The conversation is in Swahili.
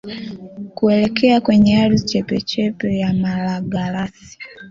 kuelekea kwenye ardhi chepechepe ya Malagarasi